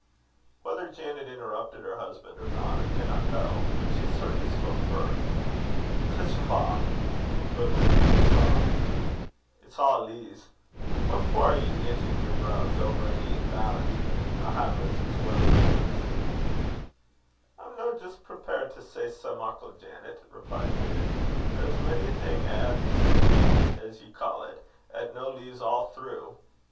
Whether Janet interrupted her husband or not, I cannot tell; but she certainly spoke first: "Tshavah!" equivalent to pshaw "it's a' lees. What for are ye knittin' yer broos ower a leein' ballant a' havers as weel as lees?" "I'm no jist prepared to say sae muckle, Janet," replied David; "there's mony a thing 'at's lees, as ye ca't, 'at's no lees a' through.